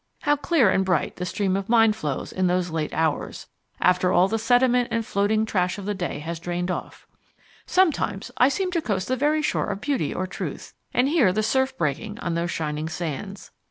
How clear and bright the stream of the mind flows in those late hours, after all the sediment and floating trash of the day has drained off! Sometimes I seem to coast the very shore of Beauty or Truth, and hear the surf breaking on those shining sands.